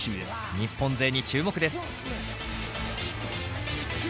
日本勢に注目です。